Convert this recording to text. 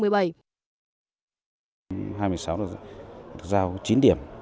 hai mươi sáu là giao chín điểm